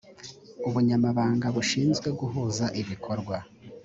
ubunyamabanga bushinzwe guhuza ibikorwa